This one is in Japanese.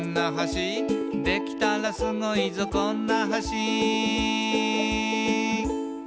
「できたらスゴいぞこんな橋」